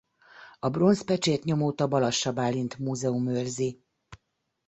A bronz pecsétnyomót a Balassa Bálint Múzeum őrzi.